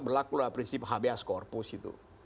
berlaku prinsip hbs korpus itu